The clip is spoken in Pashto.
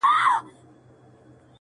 لښکر د سورلنډیو به تر ګوره پوري تښتي؛